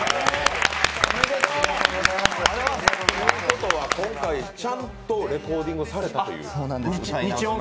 おめでとう！ということは今回、ちゃんとレコーディングをされたと。